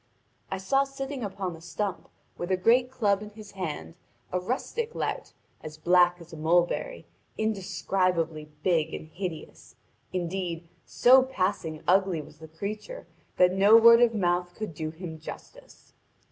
I saw sitting upon a stump, with a great club in his hand, a rustic lout, as black as a mulberry, indescribably big and hideous; indeed, so passing ugly was the creature that no word of mouth could do him justice.